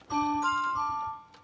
tidak ada yang bisa dihukum